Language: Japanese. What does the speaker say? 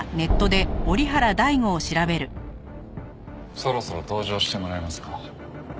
そろそろ登場してもらいますか。